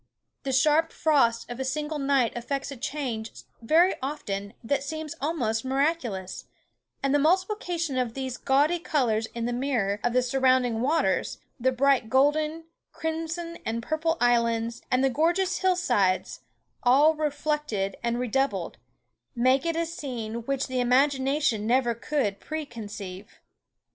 The sharp frost of a single night effects a change very often that seems almost miraculous, and the multiplication of these gawdy colours in the mirror of the surrounding waters, the bright golden, crimson, and purple islands, and the gorgeous hill sides, all reflected and redoubled, make it a scene which the imagination never could pre conceive.